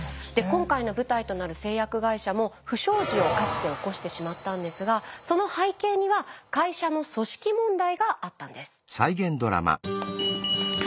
で今回の舞台となる製薬会社も不祥事をかつて起こしてしまったんですがその背景には会社の組織問題があったんです。